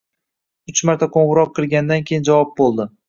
Uch marta qo‘ng‘iroq qilingandan keyin javob bo‘ldi.